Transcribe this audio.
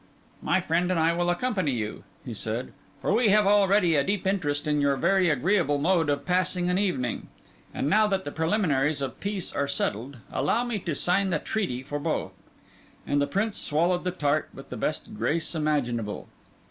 "My friend and I will accompany you," he said; "for we have already a deep interest in your very agreeable mode of passing an evening. And now that the preliminaries of peace are settled, allow me to sign the treaty for both." And the Prince swallowed the tart with the best grace imaginable.